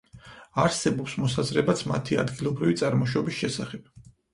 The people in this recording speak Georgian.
არსებობს მოსაზრებაც მათი ადგილობრივი წარმოშობის შესახებ.